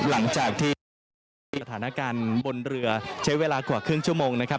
หลังจากที่สถานการณ์บนเรือใช้เวลากว่าครึ่งชั่วโมงนะครับ